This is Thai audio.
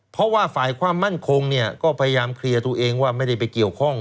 เพราะว่าฝ่ายความมั่นคงเนี่ยก็พยายามเคลียร์ตัวเองว่าไม่ได้ไปเกี่ยวข้อง